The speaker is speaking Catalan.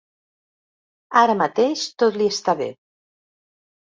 Ara mateix tot li està bé.